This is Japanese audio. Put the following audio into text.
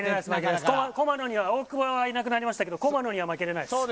大久保はいなくなりましたが駒野には負けてないです。